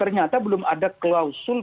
ternyata belum ada klausul